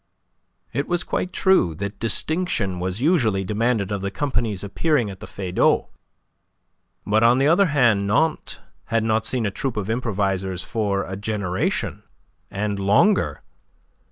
It was quite true that distinction was usually demanded of the companies appearing at the Feydau, but on the other hand Nantes had not seen a troupe of improvisers for a generation and longer.